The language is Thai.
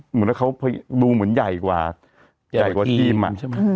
เหมือนว่าเขาดูเหมือนใหญ่กว่าใหญ่กว่าทีม